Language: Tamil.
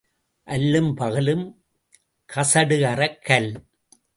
அல்லும் பகலும் கசடு அறக் கல்.